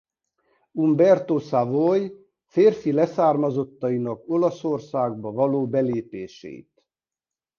Umberto Savoy férfi leszármazottainak Olaszországba való belépését.